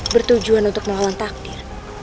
bertujuan untuk melawan takdir